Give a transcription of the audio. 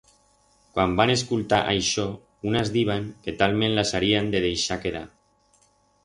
Cuan van escultar aixó, unas diban que talment las harían de deixar quedar.